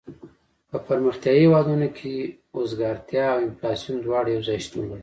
په پرمختیایي هېوادونو کې اوزګارتیا او انفلاسیون دواړه یو ځای شتون لري.